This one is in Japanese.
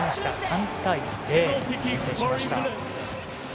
３対０、先制しました。